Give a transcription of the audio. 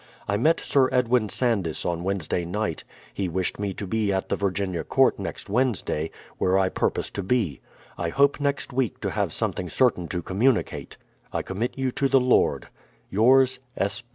I met Sir Edwin Sandys on Wednesday night; he wished me to be at the Virginia Court next Wednesday, where I purpose to be. I hope next week to have something certain to communi cate. I commit you to the Lord. Yours, S.